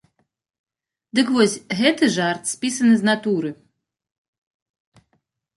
Дык вось, гэты жарт спісаны з натуры!